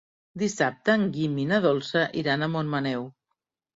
Dissabte en Guim i na Dolça iran a Montmaneu.